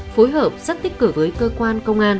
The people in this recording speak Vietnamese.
phối hợp rất tích cử với cơ quan công an